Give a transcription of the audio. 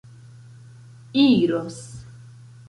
iros